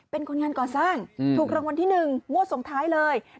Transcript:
เป็นคนงานก่อสร้างถูกรางวัลที่๑งวดส่งท้ายเลย